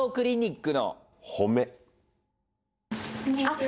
こんにちは。